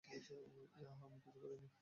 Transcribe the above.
Yeah, আমি কিছু মনে করিনি।